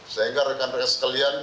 sehingga rekan rekan sekalian